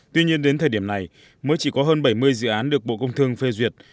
tuy nhiên đến thời điểm này mới chỉ có hơn bảy mươi dự án được bộ công thương phê duyệt